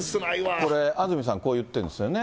これ、安住さん、こう言ってるんですよね。